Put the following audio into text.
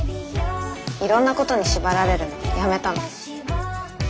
いろんなことに縛られるのやめたの。